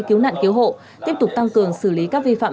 cứu nạn cứu hộ tiếp tục tăng cường xử lý các vi phạm